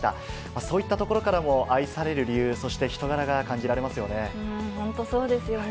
そういったところからも愛される理由、そして人柄が感じられますよね。